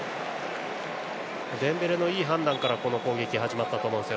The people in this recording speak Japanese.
デンベレのいい判断からこの攻撃が始まったと思うんです。